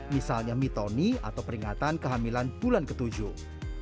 misalnya mitoni atau peringatan kehamilan bulan ketujuh